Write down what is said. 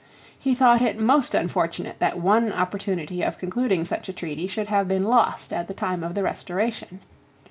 He thought it most unfortunate that one opportunity of concluding such a treaty should have been lost at the time of the Restoration.